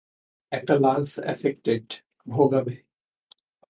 একটা lungs affected, ভোগাবে।